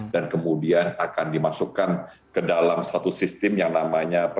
dan kemudian akan dimasukkan ke dalam satu sistem yang namanya